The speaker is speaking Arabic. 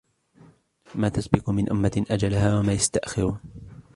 ما تسبق من أمة أجلها وما يستأخرون